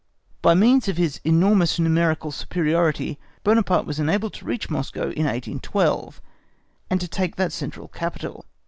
By means of his enormous numerical superiority, Buonaparte was enabled to reach Moscow in 1812, and to take that central capital.